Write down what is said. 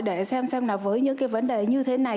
để xem xem là với những cái vấn đề như thế này